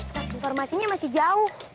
pas informasinya masih jauh